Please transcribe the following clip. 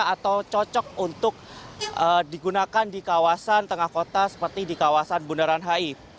atau cocok untuk digunakan di kawasan tengah kota seperti di kawasan bundaran hi